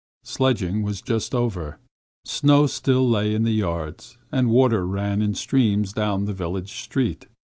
Sledging was only just over; snow still lay in the yards; and water ran in streams down the village street.